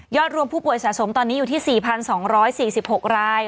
รวมผู้ป่วยสะสมตอนนี้อยู่ที่๔๒๔๖ราย